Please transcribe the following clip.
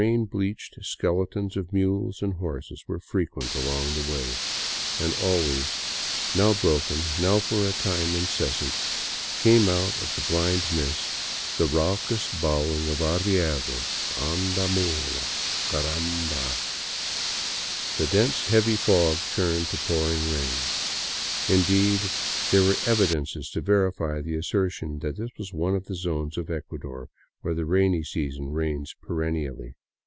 Donkey car casses and the rain bleached skeletons of mules and horses were frequent along the way ; and always, now broken, now for a time in cessant, came out of the blind mist the raucous bawling of arrieros: " Anda, mula, caramba !'^ The dense, heavy fog turned to pouring rain. Indeed there were evidences to verify the assertion that this was one of the zones of Ecuador where the rainy season reigns perennially.